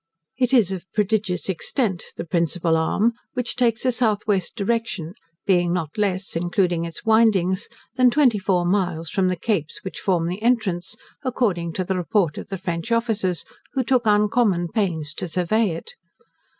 It is of prodigious extent, the principal arm, which takes a S.W. direction, being not less, including its windings, than twenty four miles from the capes which form the entrance, according to the report of the French officers, who took uncommon pains to survey it.